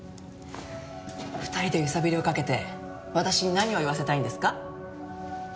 ２人で揺さぶりをかけて私に何を言わせたいんですか？